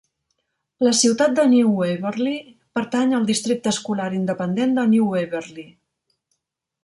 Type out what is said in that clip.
La ciutat de New Waverly pertany al districte escolar independent de New Waverly.